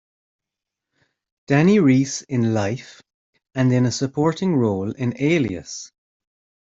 Dani Reese in "Life", and in a supporting role in "Alias".